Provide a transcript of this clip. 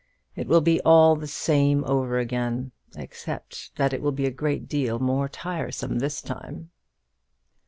It will be all the same over again, except that it will be a great deal more tiresome this time."